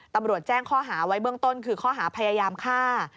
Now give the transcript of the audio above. ตำรวจแจ้งข้อหาไว้เบื้องต้นคือข้อหาพยายามฆ่า